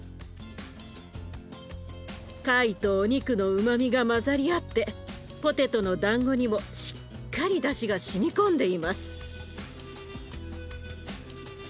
貝とお肉のうまみがまざり合ってポテトのだんごにもしっかりだしがしみ込んでいます。